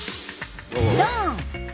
ドン！